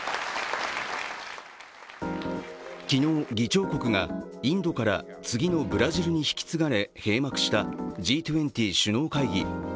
昨日、議長国がインドから次のブラジルに引き継がれ閉幕したＧ２０首脳会議。